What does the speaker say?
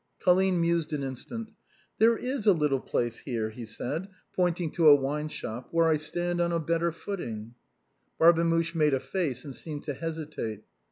Colline mused an instant. " There is a little place here," he said, pointing to a winesliop, " where I stand on a bet ter footing." Barbemuche made a face, and seemed to hesitate.